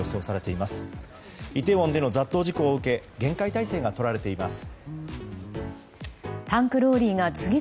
イテウォンでの雑踏事故を受け厳戒態勢がとられています。